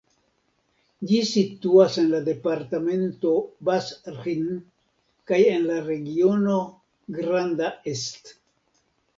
Ĝi situas en la departemento Bas-Rhin kaj en la regiono Grand Est.